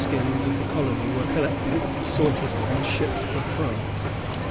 all the beaver skins of the colony were coUected, assorted, and shipped for France.